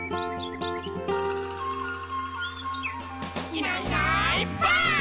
「いないいないばあっ！」